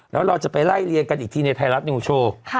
แล้วเราจะไปไล่เรียงกันอีกทีในไทยรัฐนิวโชว์